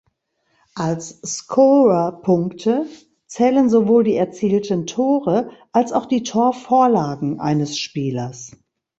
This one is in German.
Als Scorerpunkt(e) zählen sowohl die erzielten Tore als auch die Torvorlagen eines Spielers.